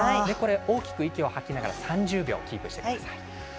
大きく息を吐きながら３０秒キープしてください。